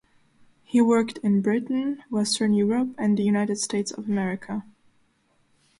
He worked in Britain, western Europe and the United States of America.